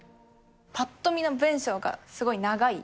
ぱっと見の文章がすごい長い